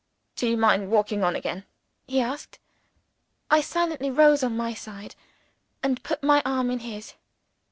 "Do you mind walking on again?" he asked. I silently rose on my side, and put my arm in his.